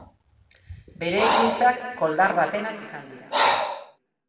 Bere ekintzak koldar batenak izan dira.